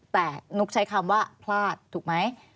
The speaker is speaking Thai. แต่นุ๊กใช้คำว่าพลาดถูกไหม